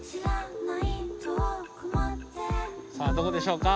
さあどこでしょうか。